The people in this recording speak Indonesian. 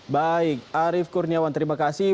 baik arief kurniawan terima kasih